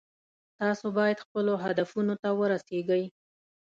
تاسو باید خپلو هدفونو ته ورسیږئ